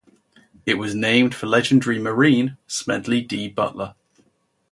It was named for legendary Marine Smedley D. Butler.